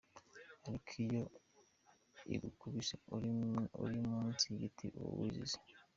Ariko iyo igukubise uri munsi y’igiti uba wizize, .